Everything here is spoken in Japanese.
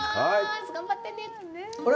頑張ってね。